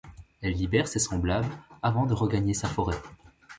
Elle libère ses semblables avant de regagner sa forêt.